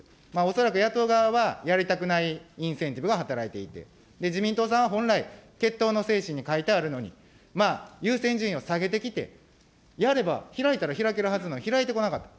恐らく野党側は、やりたくないインセンティブが働いていて、自民党さんは本来、結党の精神に書いてあるのに、優先順位を下げてきて、やれば、開いたら開けるはずなのに開いてこなかった。